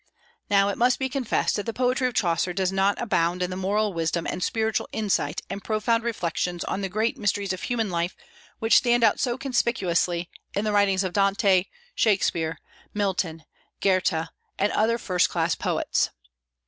Now it must be confessed that the poetry of Chaucer does not abound in the moral wisdom and spiritual insight and profound reflections on the great mysteries of human life which stand out so conspicuously in the writings of Dante, Shakspeare, Milton, Goethe, and other first class poets.